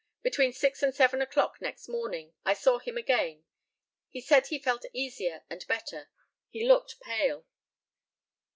Between six and seven o'clock next morning I saw him again. He said he felt easier and better. He looked pale.